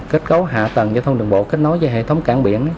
kết cấu hạ tầng giao thông đường bộ kết nối với hệ thống cảng biển